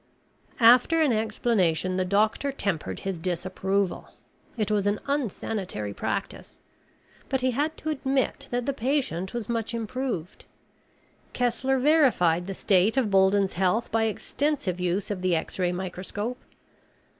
After an explanation the doctor tempered his disapproval. It was an unsanitary practice, but he had to admit that the patient was much improved. Kessler verified the state of Bolden's health by extensive use of the X ray microscope.